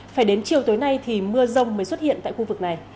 phải đến chiều tối nay thì mưa rông mới xuất hiện tại khu vực này